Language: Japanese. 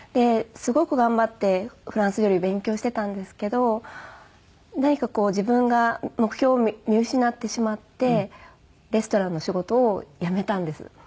すごく頑張ってフランス料理を勉強していたんですけど何かこう自分が目標を見失ってしまってレストランの仕事を辞めたんです。